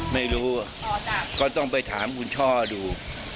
ไม่รู้ก็ต้องไปถามคุณช่อดู